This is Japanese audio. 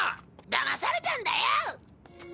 だまされたんだよ！